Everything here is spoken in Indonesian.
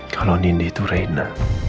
kalau nindi itu reina